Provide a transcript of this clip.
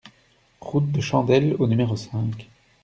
Route de Chandelle au numéro cinq